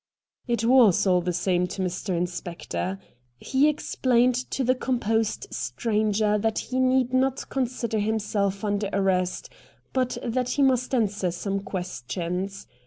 It was all the same to Mr. Inspector. He explained to the composed stranger that he need not consider himself under arrest, but that he must answer some questions.